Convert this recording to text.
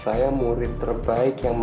saya murid terbaik yang